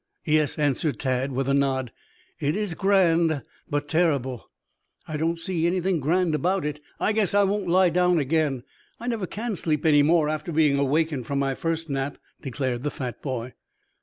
"Yes," answered Tad, with a nod. "It is grand, but terrible." "I don't see anything grand about it. I guess I won't lie down again. I never can sleep any more after being awakened from my first nap," declared the fat boy.